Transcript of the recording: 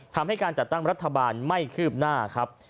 ทำให้การจัดตั้งรัฐบาลไม่คืบหน้าครับ